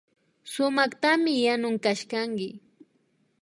Sumaktami yanun kashkanki